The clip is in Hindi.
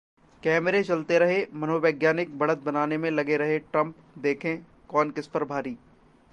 कैमरे चलते रहे, मनोवैज्ञानिक बढ़त बनाने में लगे रहे ट्रंप, देखें: कौन किसपर भारी